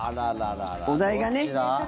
お題がね。